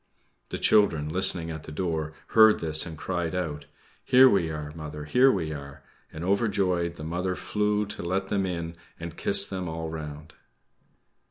The children, listening at the door, heard this and cried out, "Here we are, mother; here we are!" and, overjoyed, the mother flew to let them in and kissed them all round.